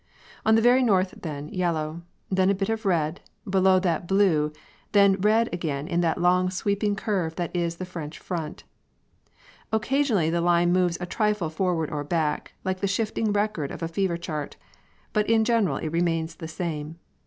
In the very north then, yellow; then a bit of red; below that blue; then red again in that long sweeping curve that is the French front. Occasionally the line moves a trifle forward or back, like the shifting record of a fever chart; but in general it remains the same.